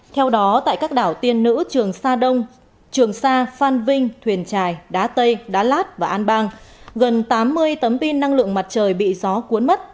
theo đó tại các đảo tiên nữ trường sa đông trường sa phan vinh thuyền trài đá tây đá lát và an bang gần tám mươi tấm pin năng lượng mặt trời bị gió cuốn mất